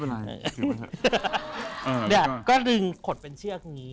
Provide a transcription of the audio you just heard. เนี่ยก็ดึงขดเป็นเชือกนี้